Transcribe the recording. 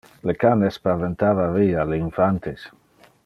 Le can espaventava via le infantes.